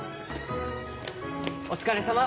お疲れさま！